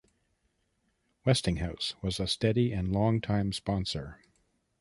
Westinghouse was a steady and long-time sponsor.